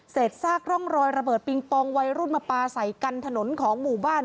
ซากร่องรอยระเบิดปิงปองวัยรุ่นมาปลาใส่กันถนนของหมู่บ้าน